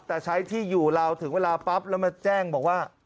แต่ใช้ที่อยู่ราวถึงเวลาปั๊บแล้วมาแจ้งบอกว่า